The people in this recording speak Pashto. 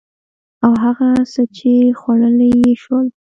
او هغه څه چې خوړلي يې شول